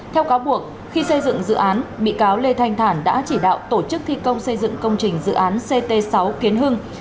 theo cáo buộc khi xây dựng dự án bị cáo lê thanh thản đã chỉ đạo tổ chức thi công xây dựng công trình dự án ct sáu kiến hưng